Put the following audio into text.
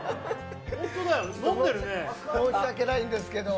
申し訳ないんですけど。